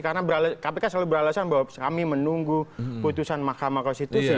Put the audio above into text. karena kpk selalu beralasan bahwa kami menunggu putusan mahkamah konstitusi